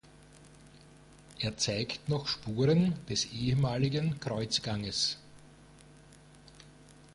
Er zeigt noch Spuren des ehemaligen "Kreuzganges".